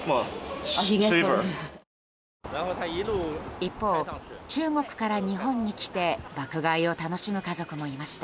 一方、中国から日本に来て爆買いを楽しむ家族もいました。